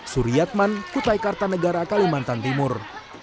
suri yatman kutai kartanegara kalimantan timur